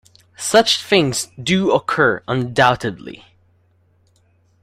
Such things do occur, undoubtedly.